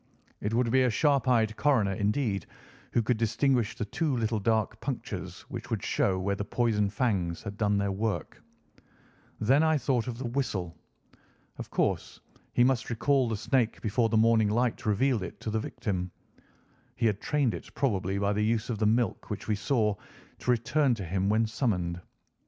It would be a sharp eyed coroner, indeed, who could distinguish the two little dark punctures which would show where the poison fangs had done their work. Then I thought of the whistle. Of course he must recall the snake before the morning light revealed it to the victim. He had trained it, probably by the use of the milk which we saw, to return to him when summoned.